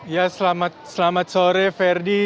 ya selamat sore ferdi